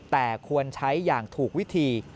แต่ควรใช้อย่างถูกวิธี